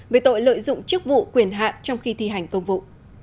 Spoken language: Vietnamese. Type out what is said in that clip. về tội lợi dụng chức vụ quyền hạn trong khi thi hành công vụ